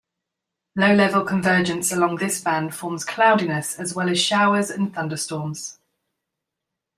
Low-level convergence along this band forms cloudiness as well as showers and thunderstorms.